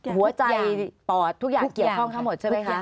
หัวใจปอดทุกอย่างเกี่ยวข้องทั้งหมดใช่ไหมคะ